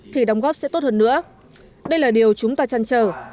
thì đóng góp sẽ tốt hơn nữa đây là điều chúng ta chăn trở